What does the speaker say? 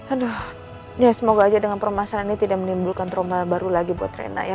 aduh ya semoga aja dengan permasalahan ini tidak menimbulkan trauma baru lagi buat rena ya